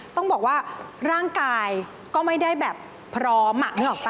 ต้องบอกว่าร่างกายก็ไม่ได้แบบพร้อม